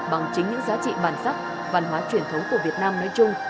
bằng chính những giá trị bản sắc văn hóa truyền thống của việt nam nói chung